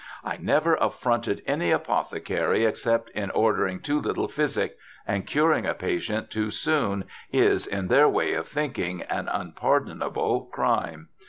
' I never affronted any apothecary, unless in ordering too little Physic ; and curing a patient too soon, is, in their Way of Thinking, an unpardonable Crime.